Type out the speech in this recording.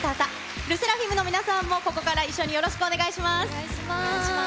ＬＥＳＳＥＲＡＦＩＭの皆さんも、ここから一緒によろしくお願いしまーす。